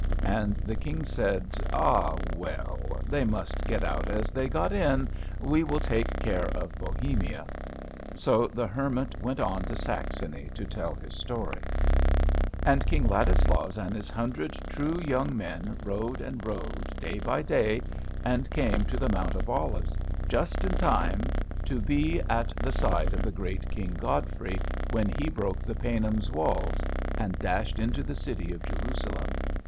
And the King said, "Ah, well, they must get out as they got in. We will take care of Bohemia." So the Hermit went on to Saxony, to tell his story. And King Ladislaus and his hundred true young men rode and rode day by day, and came to the Mount of Olives just in time to be at the side of the great King Godfrey, when he broke the Paynim's walls, and dashed into the city of Jerusalem.